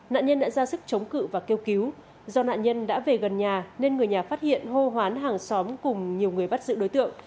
nạn nhân đã ra sức chống cự và kêu cứu do nạn nhân đã về gần nhà nên người nhà phát hiện hô hoán hàng xóm cùng nhiều người bắt giữ đối tượng